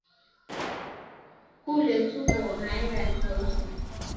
Kule tuko naenda ni kweusi